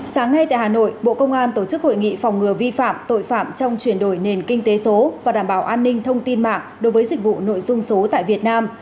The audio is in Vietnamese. sáng nay tại hà nội bộ công an tổ chức hội nghị phòng ngừa vi phạm tội phạm trong chuyển đổi nền kinh tế số và đảm bảo an ninh thông tin mạng đối với dịch vụ nội dung số tại việt nam